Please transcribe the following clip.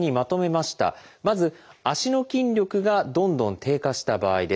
まず足の筋力がどんどん低下した場合です。